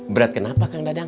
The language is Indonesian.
berat kenapa kang dadang